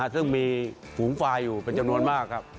ซึ่งมีฝูงฟายอยู่เป็นจำนวนมากครับ